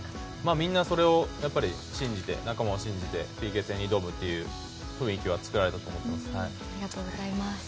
みんな、それを信じて仲間を信じてＰＫ戦に入る雰囲気は作られたと思います。